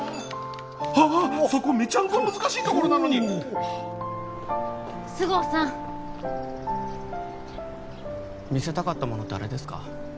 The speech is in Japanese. ああっそこメチャンコ難しいところなのに菅生さん見せたかったものってあれですか？